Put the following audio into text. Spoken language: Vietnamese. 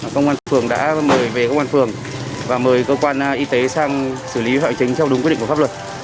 công an phường đã mời về công an phường và mời cơ quan y tế sang xử lý hoài chính theo đúng quy định của pháp luật